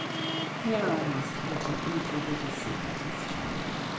Here I must enter into a little secret history.